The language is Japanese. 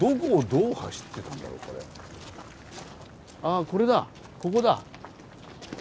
あこれだここだ。